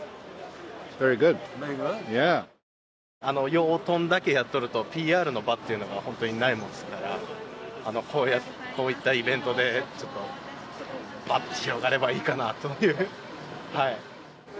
養豚だけやっとるとＰＲの場っていうのが本当にないものですからこういったイベントでちょっとバッと広がればいいかなというはい。